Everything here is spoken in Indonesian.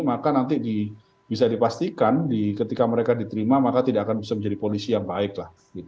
maka nanti bisa dipastikan ketika mereka diterima maka tidak akan bisa menjadi polisi yang baik lah